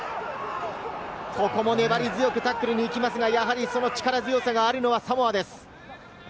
ここも粘り強くタックルに行きますが、やはり力強さがあるのはサモアです。